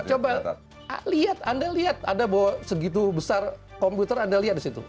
coba lihat anda lihat ada bahwa segitu besar komputer anda lihat di situ